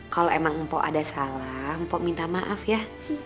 kalo emang empok ada salah empok minta maaf ya